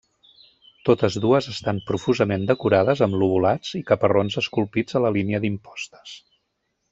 Totes dues estan profusament decorades amb lobulats i caparrons esculpits a la línia d'impostes.